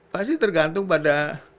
pasti tergantung pada